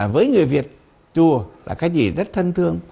với người việt chùa là cái gì rất thân thương